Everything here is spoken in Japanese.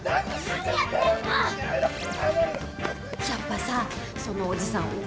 やっぱさそのおじさん